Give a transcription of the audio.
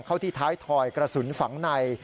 ที่ท้ายถอยกระสุนฝังใน